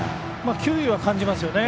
球威は感じますよね。